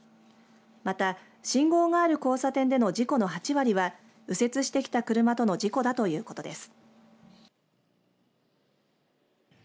また信号がある交差点での事故の８割は右折してきた車との事故だということです。